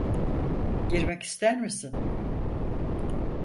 Girmek ister misin?